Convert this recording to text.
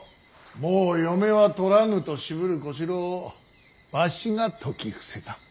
もう嫁は取らぬと渋る小四郎をわしが説き伏せた。